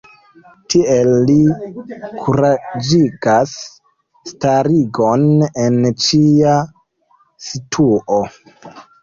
Tiel li kuraĝigas starigon en ĉia situo.